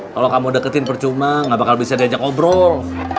kalau kamu deketin percuma gak bakal bisa diajak ngobrol